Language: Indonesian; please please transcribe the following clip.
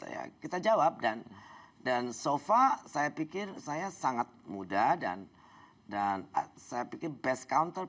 ya kita jawab dan dan sofa saya pikir saya sangat muda dan dan saya pikir best counter